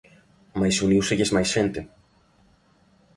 Mais uníuselles máis xente.